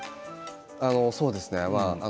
そうですね。